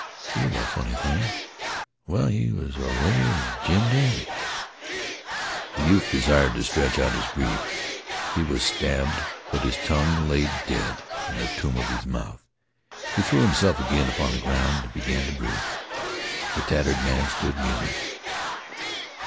It was a funny thing. Well, he was a reg'lar jim dandy." The youth desired to screech out his grief. He was stabbed, but his tongue lay dead in the tomb of his mouth. He threw himself again upon the ground and began to brood. The tattered man stood musing.